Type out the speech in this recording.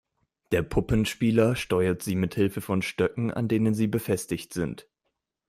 Der Puppenspieler steuert sie mit Hilfe von Stöcken, an denen sie befestigt sind.